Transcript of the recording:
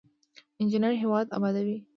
انجینر هیواد ابادوي